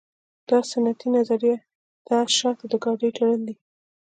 دا سنتي نظریه د اس شاته د ګاډۍ تړل دي